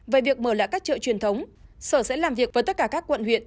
về việc mở lại các chợ truyền thống sở sẽ làm việc với tất cả các quận huyện